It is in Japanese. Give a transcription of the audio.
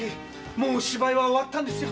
もう芝居は終わったんですよ。